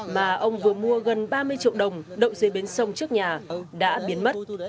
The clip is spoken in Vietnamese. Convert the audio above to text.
mà ông vừa mua gần ba mươi triệu đồng đậu dưới bến sông trước nhà đã biến mất